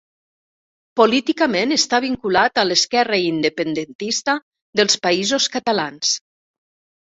Políticament està vinculat a l'Esquerra Independentista dels Països Catalans.